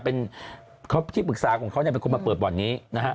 เป็นที่ปรึกษาของเขาเป็นคนมาเปิดบ่อนนี้